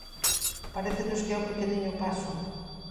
Parécenos que é un pequeniño paso.